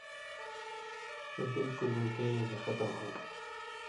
سو بالکل نکئ گلے ختم ہوتھی۔